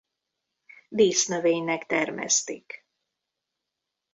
Dísznövénynek termesztik.